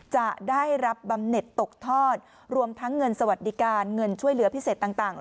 จะได้รับบำเน็ตตกทอดรวมทั้งเงินสวัสดิการเงินช่วยเหลือพิเศษต่าง